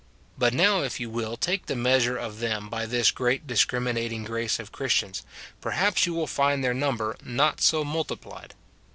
But now if you will take the measure of them by this great discriminating grace of Christians, perhaps you will find their number not so multiplied.